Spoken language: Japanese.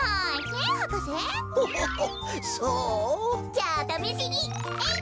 じゃあためしにえい！